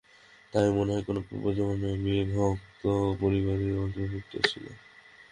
তাই মনে হয়, কোন পূর্বজন্মে আমি এই ভক্ত পরিবারেরই অন্তর্ভুক্ত ছিলাম।